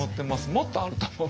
もっとあると思う。